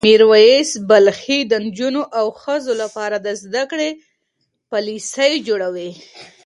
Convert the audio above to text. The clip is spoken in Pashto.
میر ویس بلخي د نجونو او ښځو لپاره د زده کړې پالیسۍ جوړوي.